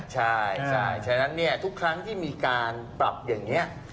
ใช่ฉะนั้นเนี่ยทุกครั้งที่มีการปรับอย่างนี้